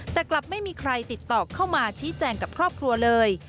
แต่กลับไม่มีใครติดต่อเข้ามาชี้แจงกับครอบครัวเลย